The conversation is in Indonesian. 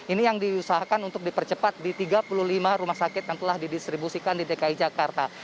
ini yang diusahakan untuk dipercepat di tiga puluh lima rumah sakit yang telah didistribusikan di dki jakarta